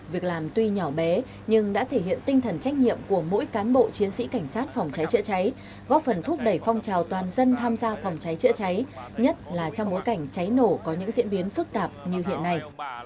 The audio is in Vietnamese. việc làm tuy nhỏ bé nhưng đã thể hiện tinh thần trách nhiệm của mỗi cán bộ chiến sĩ cảnh sát phòng cháy chữa cháy góp phần thúc đẩy phong trào toàn dân tham gia phòng cháy chữa cháy nhất là trong bối cảnh cháy nổ có những diễn biến phức tạp như hiện nay